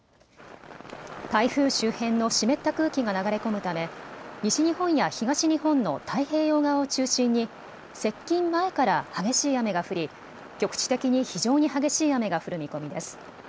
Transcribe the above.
台風周辺の湿った空気が流れ込むため西日本や東日本の太平洋側を中心に接近前から激しい雨が降り局地的に非常に激しい雨が降る見込みです。